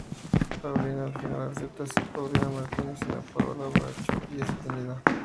Paulina al final acepta ser Paulina Martínez y no Paola Bracho y es detenida.